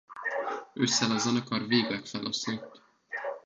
Ősszel a zenekar végleg feloszlott.